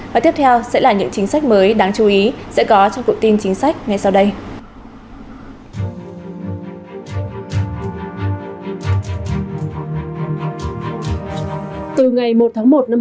và tiếp theo sẽ là những chính sách mới đáng chú ý sẽ có trong cụm tin chính sách ngay sau đây